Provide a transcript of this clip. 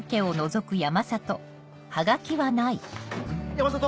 山里！